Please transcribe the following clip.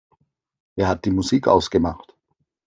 Wer hat die Musik ausgemacht?